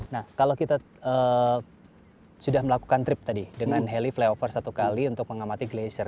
nah kalau kita sudah melakukan trip tadi dengan heli flyover satu kali untuk mengamati glasier